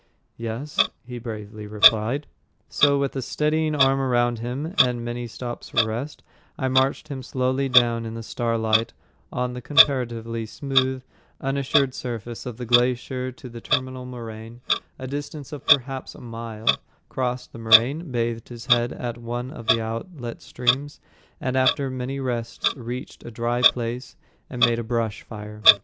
"Yes," he bravely replied. So, with a steadying arm around him and many stops for rest, I marched him slowly down in the starlight on the comparatively smooth, unassured surface of the little glacier to the terminal moraine, a distance of perhaps a mile, crossed the moraine, bathed his head at one of the outlet streams, and after many rests reached a dry place and made a brush fire.